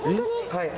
はい。